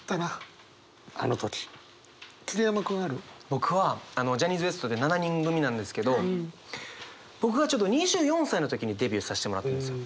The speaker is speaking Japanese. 僕はジャニーズＷＥＳＴで７人組なんですけど僕がちょうど２４歳の時にデビューさせてもらってるんですよ。